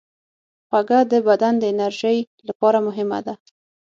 خوږه د بدن د انرژۍ لپاره مهمه ده.